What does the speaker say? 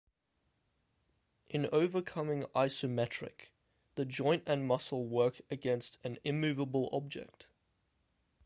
In an overcoming isometric, the joint and muscle work against an immovable object.